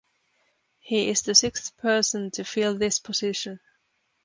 He is the sixth person to fill this position.